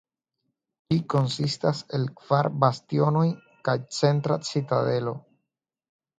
Ĝi konsistas el kvar bastionoj kaj centra citadelo.